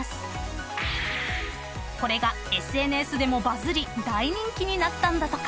［これがＳＮＳでもバズり大人気になったんだとか］